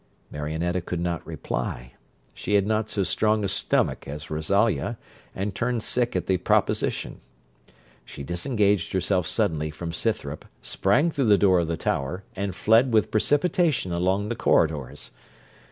Marionetta could not reply; she had not so strong a stomach as Rosalia, and turned sick at the proposition. She disengaged herself suddenly from Scythrop, sprang through the door of the tower, and fled with precipitation along the corridors.